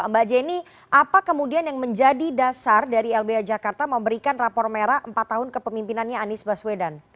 mbak jenny apa kemudian yang menjadi dasar dari lbh jakarta memberikan rapor merah empat tahun kepemimpinannya anies baswedan